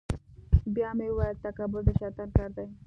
بیا مې ویل تکبر د شیطان کار دی.